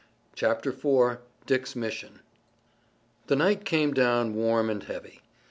CHAPTER IV. DICK'S MISSION The night came down warm and heavy.